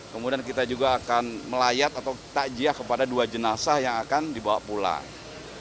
kemudian kita juga akan melayat atau takjiah kepada dua jenazah yang akan dibawa pulang